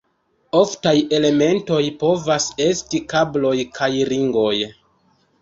Oftaj elementoj povas esti kabloj, kaj ringoj.